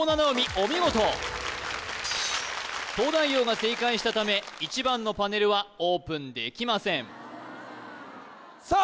お見事東大王が正解したため１番のパネルはオープンできませんさあ